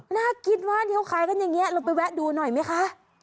น่าคิดว่าที่เขาขายกันอย่างนี้เราไปแวะดูหน่อยไหมคะ